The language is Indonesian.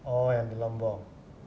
oh yang di lombok